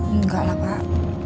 enggak lah pak